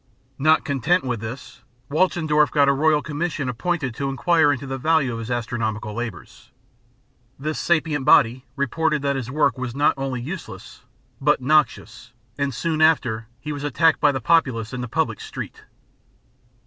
Not content with this, Walchendorf got a Royal Commission appointed to inquire into the value of his astronomical labours. This sapient body reported that his work was not only useless, but noxious; and soon after he was attacked by the populace in the public street.